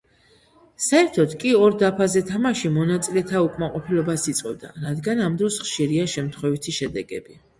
საერთოდ კი ორ დაფაზე თამაში მონაწილეთა უკმაყოფილებას იწვევდა, რადგან ამ დროს ხშირია შემთხვევითი შედეგები.